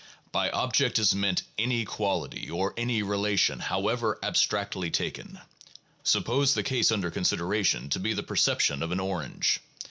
By object is meant any quality or any relation, however abstractly taken. Suppose the case under consideration to be the perception of an orange.